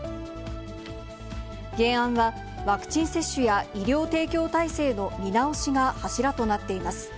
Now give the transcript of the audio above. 原案は、ワクチン接種や医療提供体制の見直しが柱となっています。